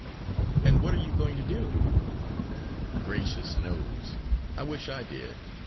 "And what are you going to do?" "Gracious knows I wish I did!